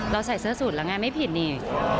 ใส่เสื้อสูตรแล้วไงไม่ผิดนี่